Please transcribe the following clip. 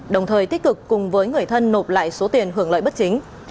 đồng thời tích cực cùng với người thân nộp lại số tiền hưởng lợi bất chính